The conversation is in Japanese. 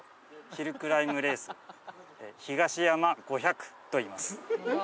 ヒルクライムレースヒガシヤマ５００といいます。